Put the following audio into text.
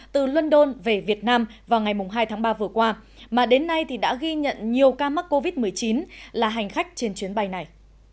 từ london về việt nam vào ngày hai tháng ba vừa qua mà đến nay đã ghi nhận nhiều ca mắc covid một mươi chín là hành khách trên chuyến bay này